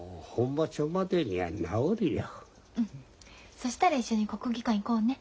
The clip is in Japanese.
そしたら一緒に国技館行こうね。